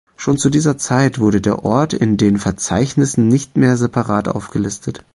Schon zu dieser Zeit wurde der Ort in den Verzeichnissen nicht mehr separat aufgelistet.